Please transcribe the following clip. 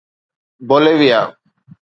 Bolivia